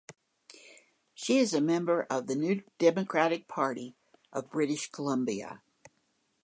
She is a member of the New Democratic Party of British Columbia.